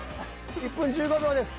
１分１５秒です。